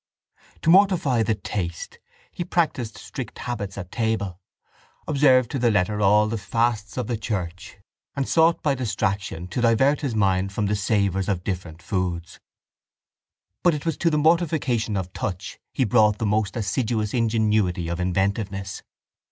To mortify the taste he practised strict habits at table, observed to the letter all the fasts of the church and sought by distraction to divert his mind from the savours of different foods. But it was to the mortification of touch he brought the most assiduous ingenuity of inventiveness.